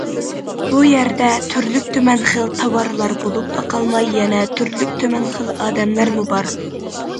بۇ يەردە تۈرلۈك- تۈمەن خىل تاۋارلار بولۇپلا قالماي يەنە تۈرلۈك- تۈمەن خىل ئادەملەرمۇ بار.